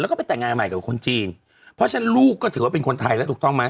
แล้วก็ไปแต่งงานใหม่กับคนจีนเพราะฉะนั้นลูกก็ถือว่าเป็นคนไทยแล้วถูกต้องไหม